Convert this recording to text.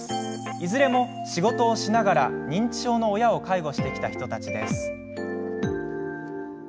いずれも仕事をしながら認知症の親を介護してきた人たちです。